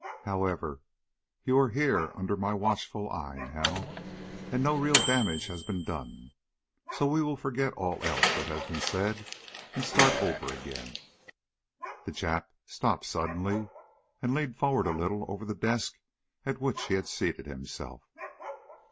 "However, you are here under my watchful eye now. And no real damage has been done. So we will forget all else that has been said, and start over again." The Jap stopped suddenly, and leaned forward a little over the desk at which he had seated himself.